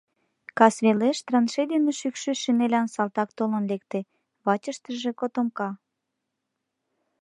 Кас велеш траншей дене шӱкшӧ шинелян салтак толын лекте, вачыштыже котомка.